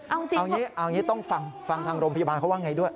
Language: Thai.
เอาอย่างนี้ต้องฟังฟังทางโรงพยาบาลเขาว่าอย่างไรด้วย